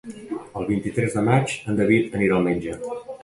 El vint-i-tres de maig en David anirà al metge.